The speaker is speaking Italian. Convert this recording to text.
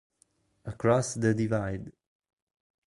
Across the Divide